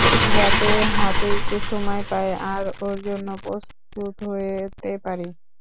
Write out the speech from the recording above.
যাতে হাতে একটু সময় পাই আর ওর জন্য প্রস্তুত হতে পারি।